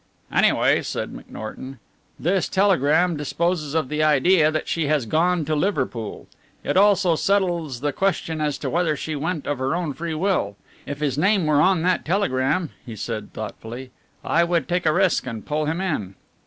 "Anyway," said McNorton, "this telegram disposes of the idea that she has gone to Liverpool. It also settles the question as to whether she went of her own free will. If his name were on that telegram," he said thoughtfully, "I would take a risk and pull him in."